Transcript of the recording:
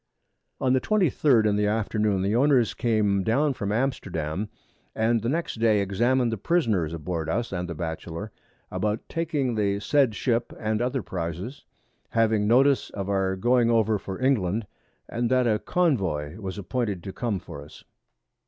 _] On the 23d in the Afternoon, the Owners came down from Amsterdam, and the next Day examin'd the Prisoners aboard Us and the Batchelor, about taking the said Ship and other Prizes, having Notice of our going over for England, and that a Convoy was appointed to come for us.